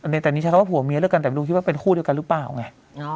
ในแต่นี้ใช้คำว่าผัวเมียด้วยกันแต่ไม่รู้คิดว่าเป็นคู่เดียวกันหรือเปล่าไง